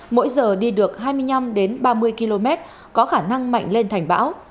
mỗi giờ đi được hai mươi năm ba mươi km có khả năng mạnh lên thành bão